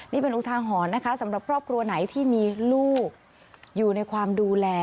นี่เป็นอุทาหรณ์นะคะสำหรับครอบครัวไหนที่มีลูกอยู่ในความดูแล